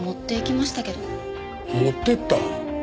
持ってった？